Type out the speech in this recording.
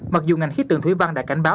mặc dù ngành khí tượng thủy văn đã cảnh báo